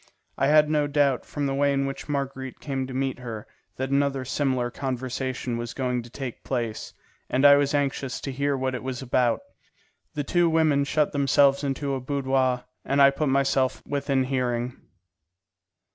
I had no doubt, from the way in which Marguerite came to meet her, that another similar conversation was going to take place, and I was anxious to hear what it was about. The two women shut themselves into a boudoir, and I put myself within hearing.